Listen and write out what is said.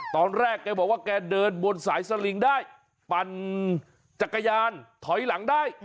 ตอนแรกแกบอกว่าแกเดินบนสายสลิงได้ปั่นจักรยานถอยหลังได้